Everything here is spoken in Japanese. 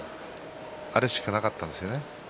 あれしかなかったですよね。